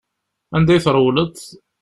Anda i trewleḍ?